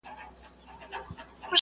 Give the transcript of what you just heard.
دوی باید له خلکو سره مرسته وکړي.